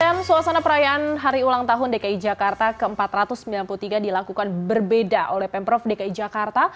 dan suasana perayaan hari ulang tahun dki jakarta ke empat ratus sembilan puluh tiga dilakukan berbeda oleh pemprov dki jakarta